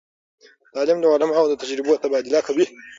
تعلیم د علماوو د تجربو تبادله کوي.